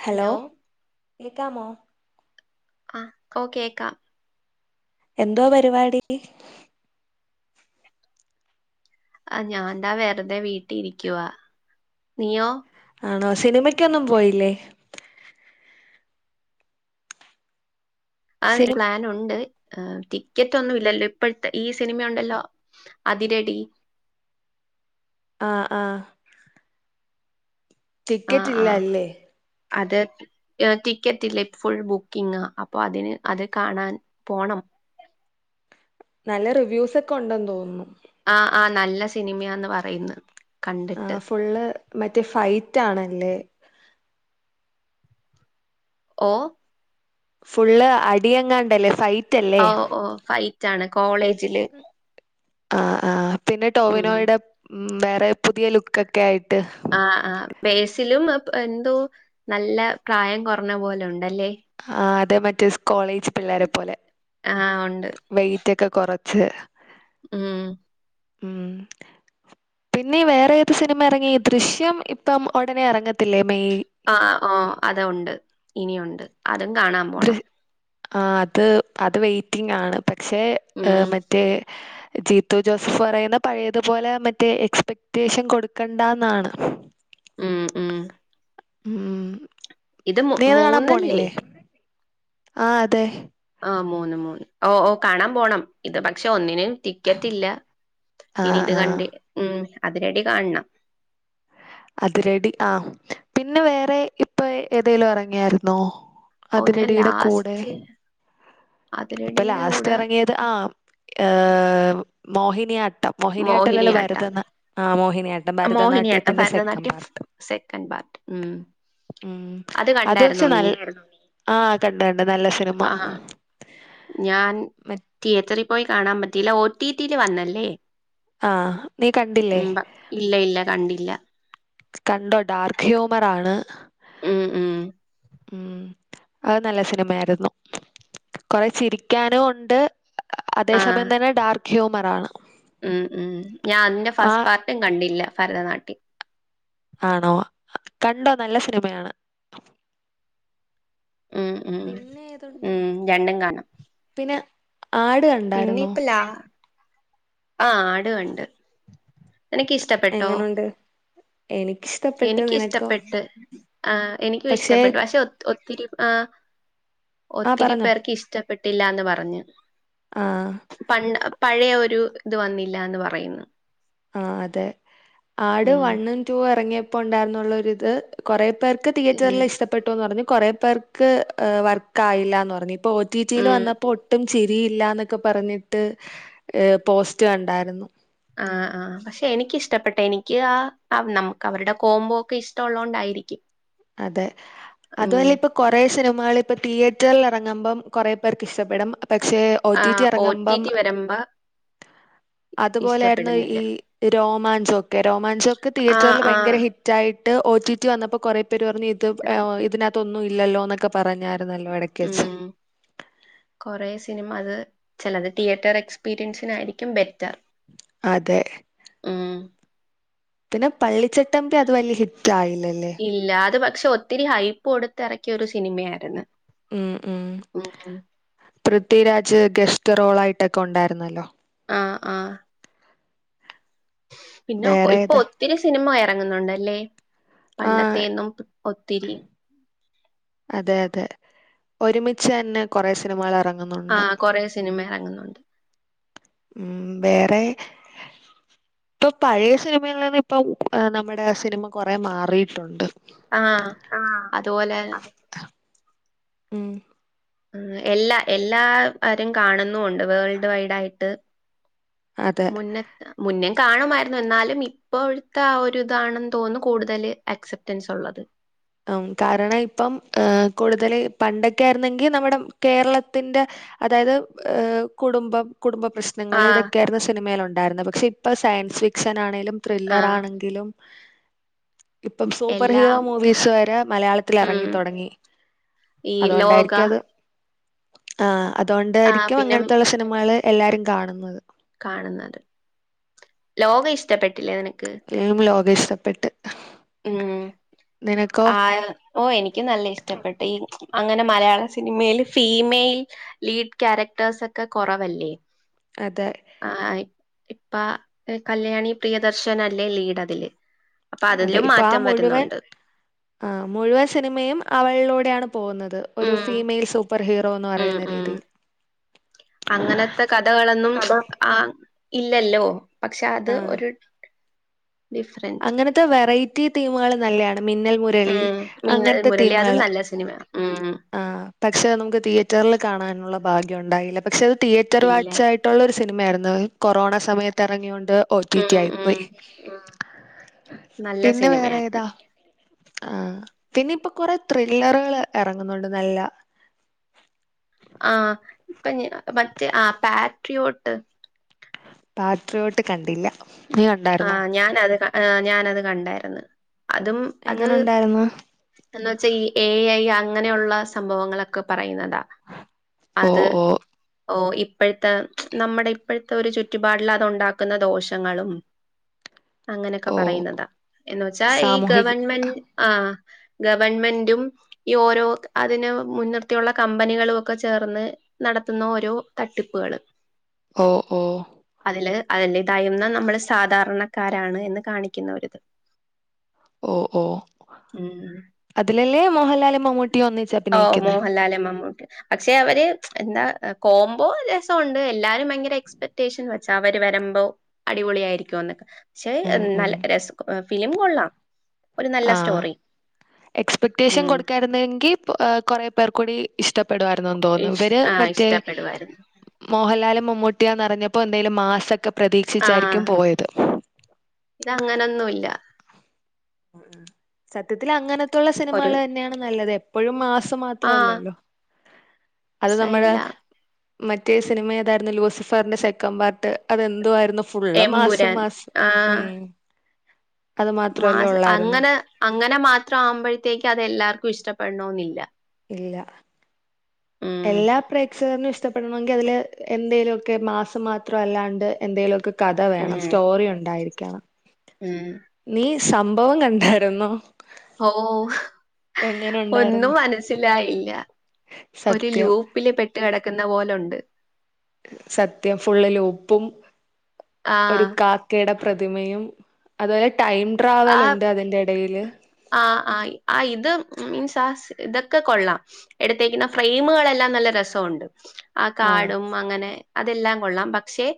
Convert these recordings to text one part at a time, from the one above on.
Hello കെക്കാമോ ആ ഓ കേക്കാം എന്തോ പരിവാടി ആ ഞാൻതാ വെറ്തെ വീട്ടി ഇരിക്കുവാ നീയോ ആണോ സിനിമക്കൊന്നും പോയില്ലേ ആ സിനി പ്ലാനുണ്ട് ഏ ടിക്കറ്റ് ഒന്നും ഇല്ലല്ലോ ഇപ്പയ്ത്തെ ഈ സിനിമ ഉണ്ടല്ലോ അതിരടി ആ ആ ആ ടിക്കറ്റ് ഇല്ല ആ അല്ലേ അത് ടിക്കറ്റ് ഇല്ല ഫുൾ ബുക്കിങ്ങ അപ്പൊ അതിന് അത് കാണാൻ പോണം നല്ല റിവ്യൂസ് ഒക്ക ഉണ്ടെന്ന് തോന്നുന്നു ആ ആ നല്ല സിനിമയാന്ന് പറയുന്ന് ആ ഫുള്ള് മറ്റേ ഫൈറ്റ് ആണല്ലേ ഓ ഫുള്ള് അടിഎങ്ങാണ്ടല്ലേ ഫൈ ഓ ഓ ഫൈറ്റ് ആണ് കോളേജില് ആ ആ പിന്നെ ഉം ടോവിനോയുടെ ഉം വേറെ പുതിയ ലുക്കൊക്കെ ആയിട്ട് ആ ആ ബേസിലും എന്തോ നല്ല പ്രായം കൊർഞ്ഞ പോലെ ഉണ്ടല്ലേ ആ അത് മറ്റേ കോളേജ് പിള്ളേരെ പോലെ ആ ഉണ്ട് വെെറ്റ് ഒക്കെ കൊറച്ച് ഉം. ഉം. പിന്നെ വേറെയേത് സിനിമ എറങ്ങി? ദൃശ്യം ഇപ്പം ഒടനേ എറങ്ങത്തില്ലേ മെയ് ആഹ് ഓഹ്. അതൊണ്ട്. ഇനിയുണ്ട്. അതും കാണാൻ പോണം. ആഹ് അത് അത് വെയ്റ്റിങ്ങാണ്. പക്ഷെ ഉം ഈഹ് മറ്റേ ജി ത്തുജോസഫ് പറയുന്നേ പഴേതു പോലെ മറ്റേ എക്സ്പെക്റ്റേഷൻ കൊടുക്കണ്ടാന്നാണ്. ഉം ഉം. ഊം. ഇത് മൂ നീ അത് കാണാൻ മൂന്നല്ലേ? പോണില്ലേ? ആഹ് അതെ. ആഹ് മൂന്ന് മൂന്ന്. ഓഹ് ഓഹ് കാണാൻ പോണം. ഇത് പക്ഷെ ഒന്നിന് ടിക്കറ്റില്ല. ആ ഇനി ഇത് ആ കണ്ട്, ഉം അതിരടി കാണണം. അതിരടി ആഹ്. പിന്നെ വേറെ ഇപ്പൊ ഏതേലും എറങ്ങിയാരുന്നോ? ഓഹ് ഞാൻ അതിരടീടെ കൂടെ. ലാസ്റ്റ് ഇപ്പൊ അതിരടിയുടെ ലാസ്റ്റ് കൂടെ എറങ്ങിയ ത് ആഹ്, ഈഹ് മോഹിനിയാട്ടം. മോഹിനിയാട്ടല്ലല്ലോ മോഹിനിയാട്ടം ഭരതനാ ആഹ് മോഹിനിയാട് മോഹിനിയാട്ടം ഫരതനാട്യം സെക്കൻഡ് പാർട്ട് ഉം. ഉം അത് കണ്ടായിരുന്നോ പക്ഷെ നീ? നല്ലെയായിരുന്നു. ആഹ് കണ്ട് കണ്ട്. നല്ല സിനിമ. ആഹ് ഞാൻ മ തിയേറ്ററിൽ പോയി കാണാൻ പറ്റീല്ല. ഒ ടി ടി ല് വന്നല്ലേ? ആഹ് നീ കണ്ടില്ലേ? ഉം പ- ഇല്ല ഇല്ല കണ്ടില്ല. കണ്ടോ ഡാർക്ക് ഹ്യൂമർ ആണ്. ഉം ഉം. ഉം അത് നല്ല സിനിമയായിരുന്നു. കൊറേ ചിരിക്കാനു ഉണ്ട്. അതേ ആഹ് സമയം തന്നെ ഡാർക്ക് ഹ്യൂമറാണ്. ഉം ഉം. ഞാൻ അതിന്റെ ഫസ്റ്റ് പാർട്ടും കണ്ടില്ല ഭരതനാട്യം. ആണോ? കണ്ടോ നല്ല സിനിമയാണ്. ഉം ഉം പിന്നെ ഏതുണ്ട് ഉം. രണ്ടും കാണാം. പിന്നെ ആട് കണ് പിന്നെ ഇപ്പൊ ലാ, ആഹ് ആട് കണ്ട്. എനിക്കിഷ് എങ്ങനുണ്ട്? എനിക്കിഷ്ട എനിക്കിഷ്ടപ്പെട്ട്. ആഹ് എനിക്കു ഇഷ്ടപ്പെട്ട്. പക്ഷെ ഒത് ഒത്തിരി ആഹ് ആഹ് പറഞ്ഞോ ഒത്തിരിപ്പേർക്ക് ഇഷ്ടപ്പെട്ടില്ലാന്ന് പറഞ്ഞ്. ആഹ് പണ്ട് പഴയ ഒരു ഇത് വന്നില്ലാന്ന് പറയുന്നു. ആഹ് അതെ. ആട് ഉം വണ്ണും ടുവും എറങ്ങിയപ്പോ ഉണ്ടായിരുന്നുള്ളൊരു ഇത് കൊറേ പേർ ക്ക് തിയേറ്ററിൽ ഇഷ്ടപ്പെട്ടു എന്ന് പറഞ്ഞ് കൊറെ പേർക്ക് വർക്കായില്ലാന്ന് പറഞ്ഞ്. ഇപ്പ ഒ റ്റി റ്റില് ഉം വന്നപ്പോ ഒട്ടും ചിരിയില്ലാന്നൊക്കെ പറഞ്ഞിട്ട് ഈഹ് പോസ്റ്റ് കണ്ടായിരുന്നു. ആഹ് ആഹ് പക്ഷെ എനിക്കിഷ്ടപ്പെട്ട്. എനിക്ക് ആ നമുക്ക് അവരുടെ കോംബോ ഒക്കെ ഇഷ്ടവൊള്ളോണ്ടായിരി ക്കും. അതെ അതുവല്ല ഇപ്പൊ കൊറെ സിനിമകള് ഇപ്പൊ തിയേറ്ററില് ഇറങ്ങുമ്പം കൊറേ പേർക്ക് ഇഷ്ടപ്പെടും പക്ഷെ ഒ ടി ടി ആഹ് ഒ ടി എറങ്ങുമ്പം ടി വരുമ്പോ അതുപോലെയായിരുന്നു ഈ ഇഷ്ടപ്പെടുന്നില്ല രോമാഞ്ചൊക്കെ. രോമാഞ്ചൊക്കെ ആഹ് തിയേറ്ററില് ഭയങ്കര ആഹ് ഹിറ്റ് റ്റായിട്ട് ഒ ടി ടി വന്നപ്പോ കൊറേ പേര് പറഞ്ഞു ഇത് ഈഹ് ഇതിനാത്തൊന്നു ഇൽ ഇല്ലല്ലോന്നൊക്കെ പറഞ്ഞായിരുന്നല്ലോ എടക്ക് വെച്ച്. ഉം കൊറേ സിനിമ അത്, ചെലത് തിയേറ്റർ എക്സ്പീരിയൻസിനായിരിക്കും ബെറ്റർ. അതെ മ്മ് പിന്നെ പള്ളിച്ചട്ടമ്പി അത് വലിയ ഹിറ്റ് ആയില്ലല്ലേ ഇല്ല അത് പക്ഷെ ഒത്തിരി ഹൈപ്പ് കൊടുത്തിറക്കിയ ഒരു സിനിമയായിര്ന്ന് ഉം ഉം പൃഥ്വിരാജ് ഗസ്റ്റ് റോൾ ആയിട്ടൊക്കെ ഉണ്ടായിരുന്നല്ലോ ആഹ് ആഹ് പിന്നെ വേറെ ഇപ്പൊ ഏതാ ഒത്തിരി സിനിമ എറങ്ങുന്നുണ്ടല്ലേ ആ പണ്ടത്തെന്നും ഒത്തിരി അതെ അതെ ഒരുമിച്ച്ന്നെ കൊറെ സിനിമകൾ എറങ്ങുന്നുണ്ട് ആഹ് കൊറേ സിനിമ ഇറങ്ങുന്നുണ്ട് ഉം വേറെ ഇപ്പൊ പഴയ സിനിമയിൽ നിന്നന്ന് ഇപ്പൊ നമ്മുടെ സിനിമ കൊറെ മാറിയിട്ടുണ്ട് ആഹ് ആഹ് അതുപോലെ അത ഉം എല്ലാ എല്ലാവരും കാണുന്നുണ്ട് വേൾഡ് വൈഡ ആയിട്ട് അതെ മുന്നത്തെ മുന്നേ കാണുമായിരുന്നു എന്നാലും ഇപ്പോഴത്തെ ആ ഒരു ഇതാണെന്ന് തോന്നുന്നു കൂടുതൽ അക്സെപ്റ്റൻസ് ഉള്ളത് ആഹ് കാരണം ഇപ്പം കൂടുതൽ പണ്ടൊക്കെ ആയിരുന്നെങ്കിൽ നമ്മുടെ കേരളത്തിന്റെ അതായത് കുടുംബം കുടുംബ പ്രശ്ന പ്രശ്നങ്ങൾ ആഹ് ഇതൊക്കെയായിരുന്നു സിനിമയിയില ഉണ്ടായിരുന്നത് പക്ഷെ ഇപ്പോ സയൻസ് ഫിക്ഷൻ ആണെങ്കിലും ത്രില്ലറ ആഹ് ആണെങ്കിലും ഇപ്പം സൂപ്പർ ഹീറോ എല്ലാം മോ സ്വര മലയാളത്തിൽ ഇറങ്ങി ഉം തുടങ്ങി ഈ ലോക അതുകൊണ്ടായിരിക്കും അത് ആഹ് ആഹ് അതോണ്ടായിരിക്കും പിന്നെ അങ്ങനത്തുള്ള സിനിമകള് എല്ലാരും കാണുന്നത് കാണുന്നത് ലോകം ഇഷ്ടപ്പെട്ടില്ലേ നിനക്ക് [unintelligible] ലോകം ഇഷ്ടപ്പെട്ട് ഉം നിനക്കോ ആ ഓ എനിക്ക് നല്ല ഇഷ്ടപ്പെട്ട് ഈ അങ്ങനെ മലയാള സിനിമൽ ഫീമെയിൽ ലീഡ് ക്യാരക്ടേഴ്സ് ഒക്കെ കുറവല്ലേ അതെ ആഹ് ഇപ്പ കല്യാണി പ്രിയദർശന അല്ലേ ലീഡ് അതില് അപ്പൊ അതെ അതിലും ഇപ്പൊ ആ മാറ്റം മുഴുവൻ വരുന്നുണ്ട് ആഹ് മുഴുവൻ സിനിമയും അവളിലൂടെയാണ് പോകുന്നത് ഒരു ഉം ഫീമെയിൽ സൂപ്പർ ഹീറോ [unintelligible] ഉം പറയുന്ന ഉം രീതി അങ്ങനത്തെ കഥകളൊന്നും കഥ ആ ഇല്ലല്ലോ പക്ഷെ അത് ആഹ് ഒരു ഡിഫറൻസ് അങ്ങനത്തെ വെറൈറ്റി ടീമുകൾ നല്ലെയാണ് മിന്നൽ മുരളി അങ്ങനത്തെ ടീമുകൾ സിനിമ ഉമ് ആഹ് പക്ഷെ നമുക്ക് തിയേറ്ററിൽ കാണാനുള്ള ഭാഗ്യം ഉണ്ടായില്ല പക്ഷെ അത് തിയേറ്റർ ഇല്ല. വാച്ചായിട്ട് ഇഷ്ടമുള്ള ഒരു സിനിമയായിരുന്നു കൊറോണ സമയത്ത് എറങ്ങിയൊണ്ട് ഒ ടി ഉം, ടി ഉം. ആയിപ്പോയി നല്ല പിന്നെ വേറെ സിനിമയായിരുന്നു. ഏതാ ആഹ് പിന്നെപ്പൊ കൊറെ ത്രില്ലറുകൾ ഇറങ്ങുന്നുണ്ട് നല്ല ആഹ് ഇപ്പൊഞ മറ്റേ ആഹ് പാട്രിയോട്ട് പാട്രിയോട്ട് കണ്ടില്ല നീ കണ്ടായിരുന്നോ ആഹ് ഞാനത് ഞാനത് കണ്ടായിരുന്നു അതും എങ്ങനെ ഉണ്ടായിരുന്നു എന്ന വെച്ചാ ഈ എ ഐ അങ്ങനെയുള്ള സംഭവങ്ങളൊക്കെ പറയുന്നതാ ഓ അത് ഓ ഓ ഇപ്പോഴത്തെ നമ്മുടെ ഇപ്പോഴത്തെ ഒരു ചുറ്റുപാടലതുണ്ടാക്കുന്ന ദോഷങ്ങളും- അങ്ങനെക്കെ ഓ പറയുന്നതാ എന്ന് വെച്ചാ ഈ സാമൂഹിക ഗവൺമെന്റ് ആ ഗവൺമെന്റും ഈ ഓരോ അതിന് മുൻനിർത്തിയുള്ള കമ്പനികളൊക്കെ ചേർന്ന്- നടത്തുന്ന ഓരോ തട്ടിപ്പുകള് ഓ ഓ അതില് അതില്ലെ തായുന്ന നമ്മളെ സ് സാധാരണക്കാരാണ് എന്ന് കാണിക്കുന്നൊരിത്. ഓ ഓ ഉം അതിലല്ലേ മോഹൻലാലും മമ്മൂട്ടി ഒന്നി ഓ മോഹൻലാലും മമ്മൂട്ടി പക്ഷെ അവര് എന്താ കോംമ്പോ രസോണ്ട് എല്ലാരും ഭയങ്കര എക്സ്പെക്ടേഷൻ വെച്ചാ അവർ വരുമ്പോ അടിപൊളിയായിരിക്കോന്ന് പക്ഷെ ഉം ഉം നല്ല രസൊ ഫിലിം കൊള്ളാം. ഒരു നല്ല ആഹ് സ്റ്റോറി എക്സ്പെക്ടേഷൻ ഉം കൊടുക്കാരുന്നെങ്കി കൊറേ പേർകൂടി ഇഷ്ടപ്പെ പെടുവാര്ന്നെന്ന് തോന്നുന്നു ഇഷ് ഇവര് ആഹ് മറ്റേ ഇഷ്ടപ്പെടുവായിരുന്നു മോഹൻലാലും മമ്മൂട്ടിയാന്നറിഞ്ഞപ്പോ എന്തേലും മാസൊക്കെ പ്രതീക്ഷിച്ചായിരിക്കും പോയത്. തങ്ങനൊന്നൂല്ല. സത്യത്തിലങ്ങനത്തുള്ള ഒരു സിനിമകള്ന്നെയാണ് നല്ലത് എപ്പഴും മാസ് ആഹ് മാത്രല്ലല്ലോ. അത് നമ്മളെ സലാം മറ്റേ സിനിമ ഏതായിരുന്നു ലൂസിഫാറിന്റെ സെക്കൻ്റ് പാർട്ട് അതെന്തുവാരുന്നു ഫുള്ള് മാസ്സ് എമ്പുരാൻ മാസ്സ് ം മാസ്സ് അങ്ങനെ അങ്ങനെ മാത്രാവുമ്പഴത്തേക്കത്എല്ലാർക്കും ഇഷ്ടപ്പെടണോന്നില്ല. ഇല്ല ഉം എല്ലാ പ്രേ സേറിന് ഇഷ്ടപ്പെടണോങ്കി അതില് എന്തേലൊക്കെ മാസ്സ് മാത്രം അല്ലാണ്ട് എന്തേലൊക്കെ കഥ വേണം സ്റ്റോറി ഉണ്ടായിരിക്കണം. ം നീ സംഭവം കണ്ടായിരുന്നോ? ഓ എങ്ങനെ ഒന്നും ഉണ്ടായിരുന്നു മനസ്സിലായില്ല ഒരു ലൂ സത്യം പ്പില് പെട്ട് കെടക്കുന്ന പോലൊണ്ട്. സത്യം ഫുള്ള്ലൂപ്പും ഒര് ആഹ് കാ ക്കേടെ പ്രതിമയും അതുപോലെ ടൈം ആഹ് ട്രാവലുണ്ട് അതിന്റെ എടയില്. ആഹ് ആഹ് ആഹ് ഇത് മീൻസ് ആസ് ഇതൊക്കെ കൊള്ളാം. എടുത്തേക്കുന്ന ഫ്രെയിമുകളെല്ലാം നല്ല രസോണ്ട്. ആ കാടും അങ്ങനെ അതെല്ലാം കൊള്ളാം പക്ഷെ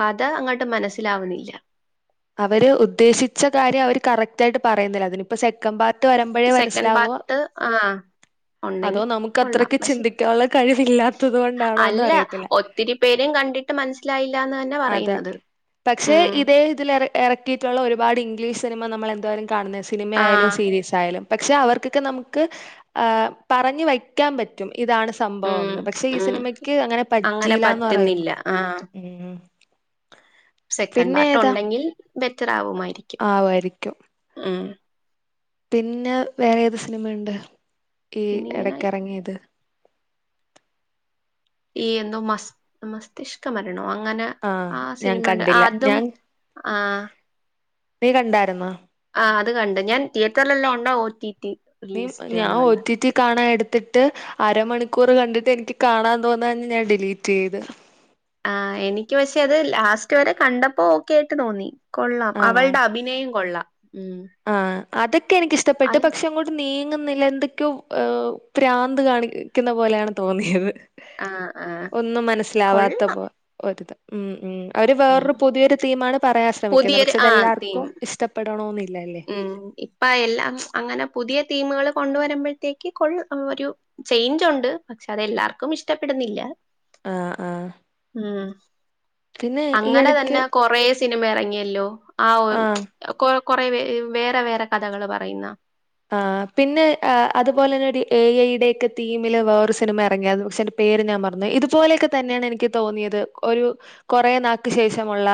കഥ അങ്ങോട്ട് മനസ്സിലാവുന്നില്ല. അവര് ഉദ്ദേശിച്ച കാര്യം അവര് കറക്റ്റായിട്ട് പറയുന്നില്ല അതിനിപ്പം സെക്കൻ്റ് പാർട് ട്ട് വരുമ്പഴേ സെക്കൻഡ് മനസ്സിലാവോ. പാർട്ട് ആഹ് അതോ ഉണ്ടെങ്കി കൊള്ളാം നമുക്കത്രക്ക് പക്ഷെ ചിന്തിക്കാനുള്ള കഴിവില്ലാത്തത് കൊണ്ടാണോന്ന് അല്ല അറിയത്തില്ല. ഒത്തിരി പേരും കണ്ടിട്ട് മനസ്സിലായില്ലാന്ന് അതെ പറയുന്നത്. പക്ഷെ ഉം ഇതേ ഇതിലെറ എറക്കീട്ടുള്ള ഒരുപാട് ഇംഗ്ലീഷ് സിനിമ നമ്മൾ എന്തോരം കാണുന്നെ സിനിമായാലും ആഹ് സീരീസിയാലും. പക്ഷെ അവർക്കൊക്കെ നമുക്ക് ഏഹ് പറഞ്ഞു വയ്ക്കാം പറ്റും ഇതാണ് സംഭവം ഉം പക്ഷെ ഈ ഉം സിനിമക്ക് അങ്ങനെ പറ്റിയിലാന്ന്റയുന്നു. സെക്കൻ പാർട്ടുണ്ടെങ്കിൽ ബെറ്ററാവുമായിരിക്കും. ആവായിരിക്കും ം പിന്നെ വേറേത് സിനിമയുണ്ട്? ഈ പിന്നെ ഇങ്ങനെ എടക്കെറങ്ങിയത്. ഈ എന്തോ മസ് മസ്തിഷ്ക മരണോ അങ്ങനെ ആഹ് ആ ഞാൻ സിനിമണ്ട് കണ്ടില്ല അതും ഞാൻ ആഹ് നീ കണ്ടായിരുന്നോ ആഹ് അത് കണ്ട് ഞാൻ തിയേറ്ററിലുള്ള ഒണ്ട ഓറ്റീറ്റി ഇനിം ഞാ ഓറ്റീറ്റി കാണാൻ എടുത്തിട്ട് അരമണിക്കൂർ കണ്ടിട്ട് എനിക്ക് കാണാൻ തോന്നാനി ഞാൻ ഡിലീറ്റ് ചെയ്ത് ആഹ് എനിക്ക് പക്ഷെ അത് ലാസ്റ്റ് വരെ കണ്ടപ്പോ ഓക്കെ ആയിട്ട് തോന്നി കൊള്ളാം ആണോ അവൾടെ അഭിനയം കൊള്ളാം ഉം ആഹ് അതൊക്കെ എനിക്ക്ഷ്ടപ്പെട്ട് അത് പക്ഷെ ഇങ്ങോട്ട് അത് നീങ്ങുന്നില്ല എന്തൊക്കെയോ ഓഹ് പ്രാന്ത് കാണിക്കുന്ന പോലെയാണ് തോന്നിയത് ആഹ് ആഹ് ഒന്നും മനസ്സിലാവാത്ത കൊള്ളാം പോ ഒര്ത് ഉം ഉം അവര് ഉം വേറൊരു പുതിയൊരു തീമാണ് പറയാൻ ശ്രമിക്കുന്നത് പുതിയൊരു പക്ഷെ ആഹ് തീം അതെല്ലാർക്കും ഇഷ്ടപ്പെടണോന്നില്ല ഉം ഇപ്പ എല്ലാം അങ്ങനെ പുതിയ തീമുകൾ കൊണ്ടുവരുമ്പഴത്തേക്ക് കൊൾ ഒരു ചെയിഞ്ചുണ്ട് പക്ഷെ അത് എല്ലാർക്കും ഇഷ്ടപ്പെടുന്നില്ല ആഹ് ആഹ് ഉം പിന്നെ ഈ അങ്ങനെ എടക്ക് തന്നെ കൊറേസ് സിനിമ ഇറങ്ങിയല്ലോ ആഹ് കൊ കൊറെ വേറെ വേറെ കഥകൾ പറയുന്ന ആഹ് പിന്നെ ആഹ് അതുപോലെന്നെടീ എ ഐയുടെ ഒക്കെ തീമില് വേറൊ സിനിമ ഇറങ്ങിയാരുന്നു പക്ഷെ അയിന്റെ പേര് ഞാൻ മറന്നോയി ഇതുപോലെയൊക്കെ തന്നെയാണ് എനിക്ക് തോന്നിയത് ഒരു കൊറേ നാക്ക് ശേഷമുള്ള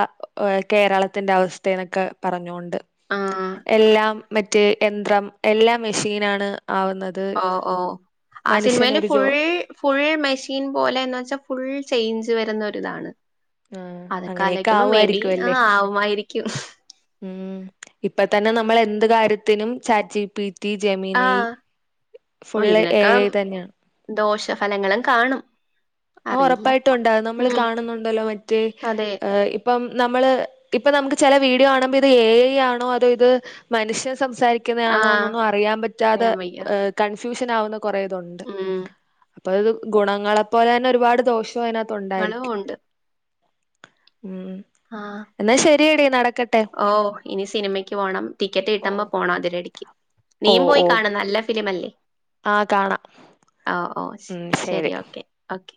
ഏഹ് കേരളത്തിന്റെ അവസ്ഥേനൊക്കെ പറഞ്ഞോണ്ട് ആഹ് എല്ലാം മറ്റേ യന്ത്രം എല്ലാം മിഷീനാണ് ആവുന്നത് ഓഹ് ഓഹ് ആ സിനിമേല് മനുഷ്യനൊരു ജോ ഫുൾ ഫുൾ മെഷീൻ പോലെന്ന് വെച്ചാ ഫുൾ ചേഞ്ച് വരുന്ന ഒരിതാണ് ആഹ് അങ്ങനെയൊക്കെ അതൊക്കാലോയിക്കുമ്പോ മേബി ആവുമായിരിക്കും ആഹ് ആവുമായിരിക്കും മഉം ഇപ്പ തന്നെ നമ്മൾ എന്ത് കാര്യത്തിനും ചാറ്റിപി റ്റി ആ ജമിനെയ് അപ്പൊ ഫുള്ള് എ ഇതിനൊക്കെ ഐ തന്നെയാണ് ദോഷഫലങ്ങളും കാണും അത് അറിയില്ല. ഉറപ്പായിട്ടും ഉണ്ടാകും നമ്മൾ ഉം. കാണുന്നുണ്ടല്ലോ മറ്റീ അതെ. ഏഹ് ഇ ഇപ്പം നമ്മള് ഇപ്പ നമുക്ക് ചില വീഡിയോ കാണുമ്പോ ഇത് ഏഐ ആണോ അതോ ഇത് മനുഷ്യൻ സംസാരി ആ ക്ക്ന്നേണോന്നൊന്നും അറിയാൻ പറ്റാതെ പറയാൻ വയ്യ. ഏഹ് കൺഫ്യൂഷൻ ആവുന്ന കൊറേതുണ്ട് ഉം. അപ്പൊത് ഗുണങ്ങളെപ്പോലെന്നെ ഒരുപാട് ദോഷം അതിനകത്ത് ഫലവും ഉണ്ടായിരിക്കും ഉണ്ട്. ഉം ആഹ് എന്നാ ശരിയെടി നടക്കട്ടെ ഓഹ് ഇനി സിനിമക്ക് പോണം ടിക്കറ്റ് ഓ കിട്ട്മ്പോ പോണം അതിരടിക്ക് ഓ നീയും പോയി ഓ കാണ് നല്ല ഫിലിമല്ലേ ആ കാണാം ആഹ് ഓഹ് ഓഹ് ശരി ഓക്കെ ഓക്കെ